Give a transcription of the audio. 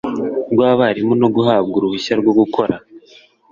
rw abarimu no guhabwa uruhushya rwo gukora